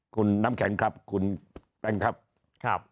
คุณน้ำแข็งครับคุณแป้งครับ